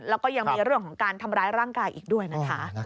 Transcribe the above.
แล้วก็ยังมีเรื่องของการทำร้ายร่างกายอีกด้วยนะคะ